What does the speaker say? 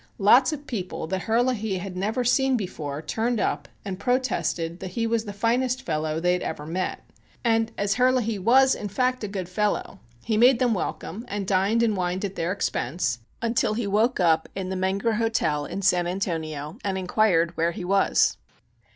Lots of people that Herlihy had never seen before turned up and protested that he was the finest fellow they had ever met. And as Herlihy was, in fact, a good fellow, he made them welcome and dined and wined at their expense until he woke up in the Menger Hotel in San Antonio and inquired where he was.